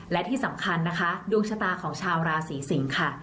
และที่สำคัญนะคะดวงชะตาของชาวราศีสิงค่ะ